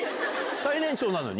最年長なのに？